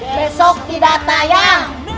besok tidak tayang